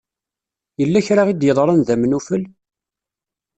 Yella kra i d-yeḍran d amnufel?